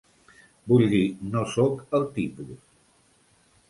Vull dir, no sóc el tipus.